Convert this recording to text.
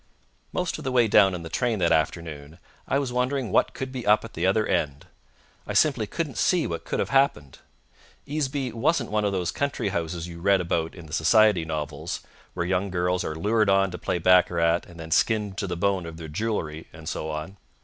Most of the way down in the train that afternoon, I was wondering what could be up at the other end. I simply couldn't see what could have happened. Easeby wasn't one of those country houses you read about in the society novels, where young girls are lured on to play baccarat and then skinned to the bone of their jewellery, and so on.